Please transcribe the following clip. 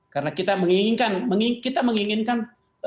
karena kita menginginkan kita menginginkan